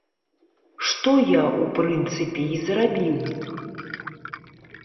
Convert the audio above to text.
Што я, у прынцыпе, і зрабіў.